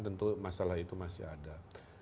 tentu masalah itu masih ada